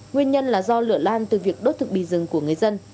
nguyên nhân là do lửa lan từ việc đốt thực bì rừng của người dân